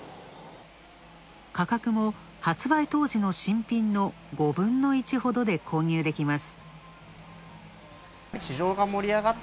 価格も発売当時の新品の５分の１ほどで購入できます。